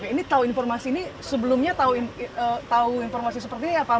ini tahu informasi ini sebelumnya tahu informasi seperti apa